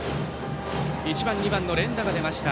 １番、２番の連打が出ました。